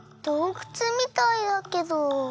どうくつみたいだけど。